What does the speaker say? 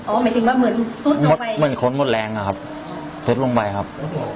หมายถึงว่าเหมือนซุดหมดเหมือนคนหมดแรงอะครับซุดลงไปครับ